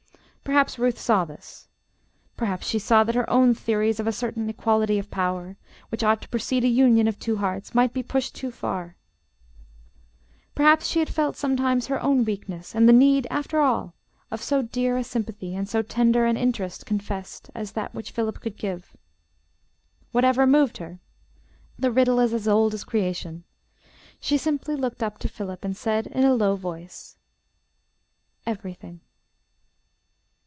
Perhaps Ruth saw this. Perhaps she saw that her own theories of a certain equality of power, which ought to precede a union of two hearts, might be pushed too far. Perhaps she had felt sometimes her own weakness and the need after all of so dear a sympathy and so tender an interest confessed, as that which Philip could give. Whatever moved her the riddle is as old as creation she simply looked up to Philip and said in a low voice, "Everything."